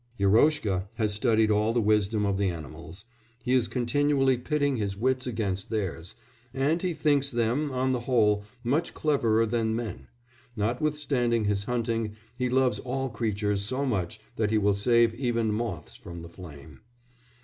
Yeroshka has studied all the wisdom of the animals, he is continually pitting his wits against theirs, and he thinks them, on the whole, much cleverer than men: notwithstanding his hunting he loves all creatures so much that he will save even moths from the flame.